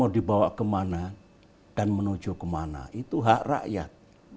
dan menuju kemana itu hak rakyat